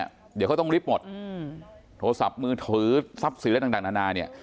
เดี๋ยวเขาต้องลิฟต์หมดอืมโทรศัพท์มือถือทรัพย์สื่อและดังดังดังดังนานานี้